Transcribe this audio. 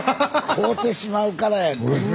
買うてしまうからやんか。